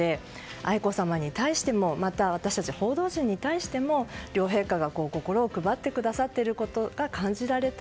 愛子さまに対してもまた、私たち報道陣に対しても両陛下が心を配ってくださっていることが感じられた